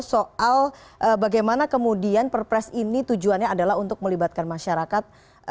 soal bagaimana kemudian perpres ini tujuannya adalah untuk melibatkan masyarakat